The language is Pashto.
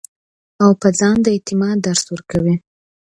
او پۀ ځان د اعتماد درس ورکوي -